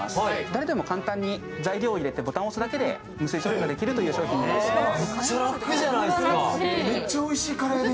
誰でも簡単に、材料を入れてボタンを押すだけで無水調理ができる商品でございます。